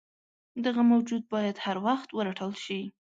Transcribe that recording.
دغه موجود باید هروخت ورټل شي.